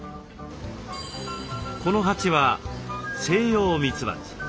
この蜂はセイヨウミツバチ。